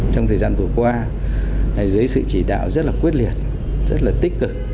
trong thời gian vừa qua dưới sự chỉ đạo rất là quyết liệt rất là tích cực